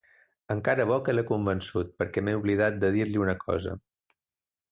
Encara bo que l'he convençut, perquè m'he oblidat de dir-li una cosa.